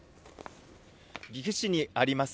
岐阜市にあります